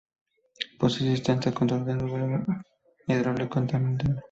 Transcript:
Posee sistema de control de vuelo hidráulico en tándem.